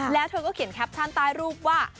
แล้วเธอก็เขียนแคปชั่นใต้รูปว่า